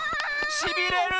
しびれる！